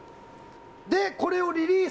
これをリリース？